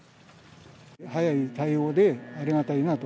早い対応で、ありがたいなと。